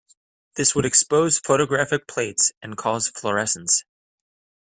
This would expose photographic plates and cause fluorescence.